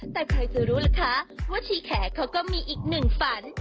แต่ใครจะรู้ล่ะคะว่าชีแขกเขาก็มีอีกหนึ่งฝัน